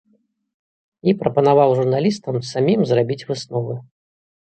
І прапанаваў журналістам самім зрабіць высновы.